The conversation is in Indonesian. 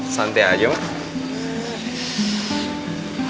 santai aja mbak